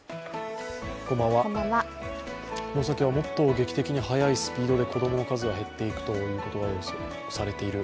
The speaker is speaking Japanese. この先はもっと劇的なスピードで子供の数が減っていくとされている。